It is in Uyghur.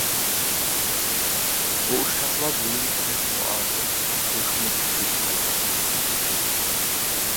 بۇ ئۇششاقلار بۈگۈن تېخىمۇ ئاۋۇپ، تېخىمۇ كۆپىيىپ قالغاندەك قىلاتتى.